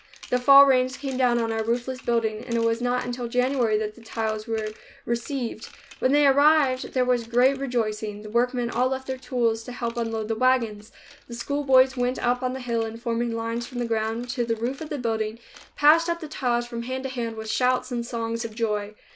The fall rains came down on our roofless building and it was not until January that the tiles were received. When they arrived, there was great rejoicing. The workmen all left their tools to help unload the wagons. The schoolboys went up on the hill and, forming lines from the ground to the roof of the building, passed up the tiles from hand to hand with shouts and songs of joy.